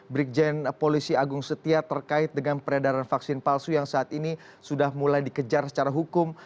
brigjen polisi agung setia terkait dengan peredaran vaksin palsu yang saat ini sudah mulai dikejar secara hukum